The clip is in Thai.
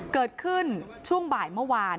เกิดขึ้นช่วงบ่ายเมื่อวาน